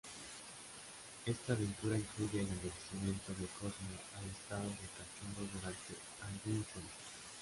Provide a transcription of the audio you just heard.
Esta aventura incluye el envejecimiento de Cosmo al estado de cachorro durante algún tiempo.